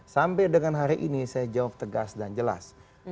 sampai dengan hari ini saya jawab tegas dan jelas